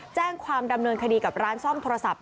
แจ้งความดำเนินคดีกับร้านซ่อมโทรศัพท์